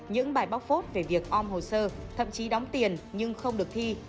những bài bóc phốt về việc om hồ sơ thậm chí đóng tiền nhưng không được thi